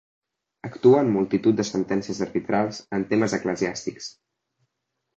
Actuà en multitud de sentències arbitrals en temes eclesiàstics.